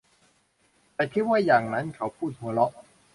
ฉันคิดว่าอย่างนั้น เขาพูด หัวเราะ